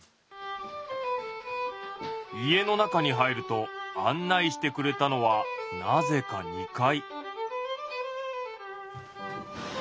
家の中に入ると案内してくれたのはなぜか２階。